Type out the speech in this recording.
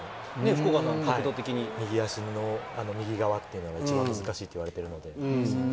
右足の右側というのが一番難しいと言われているので。